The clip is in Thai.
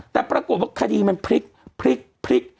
แต่ปรากฏว่าคดีมันพลิกพลิก